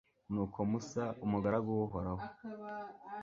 nuko musa, umugaragu w'uhoraho